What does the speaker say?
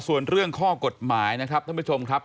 ส่วนเรื่องข้อกฎหมายนะครับท่านผู้ชมครับ